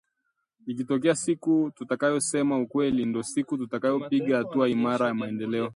Ikitokea siku tutakayosema ukweli, nd’o siku tutakayopiga hatua imara ya maendeleo